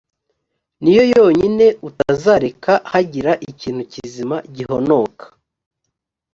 ni yo yonyine utazareka hagira ikintu kizima gihonoka.